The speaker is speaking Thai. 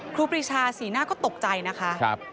ครูปรีชาสีหน้าก็ตกใจนะคะ